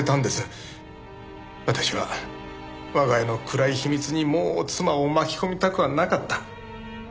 私は我が家の暗い秘密にもう妻を巻き込みたくはなかった。